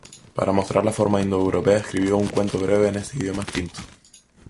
Para mostrar la forma indoeuropea escribió un cuento breve en este idioma extinto.